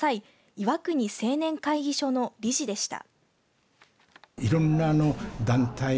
岩国青年会議所の力でした。